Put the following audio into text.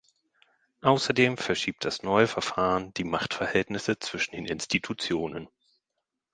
Außerdem verschiebt das neue Verfahren die Machtverhältnisse zwischen den Institutionen.